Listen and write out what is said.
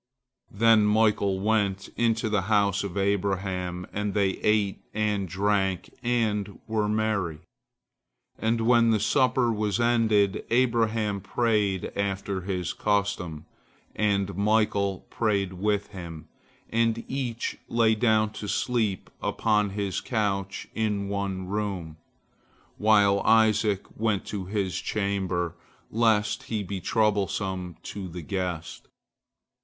Then Michael went into the house of Abraham, and they ate and drank and were merry. And when the supper was ended, Abraham prayed after his custom, and Michael prayed with him, and each lay down to sleep upon his couch in one room, while Isaac went to his chamber, lest he be troublesome to the guest.